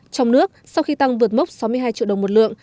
trong nước sau khi tăng vượt mốc sáu mươi hai triệu đồng một lượng